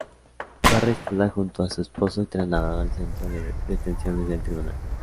Fue arrestada junto a su esposo y trasladada al centro de detenciones del Tribunal.